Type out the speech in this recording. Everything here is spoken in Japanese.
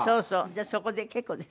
じゃあそこで結構です。